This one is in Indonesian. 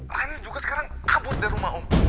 lain juga sekarang kabur dari rumah om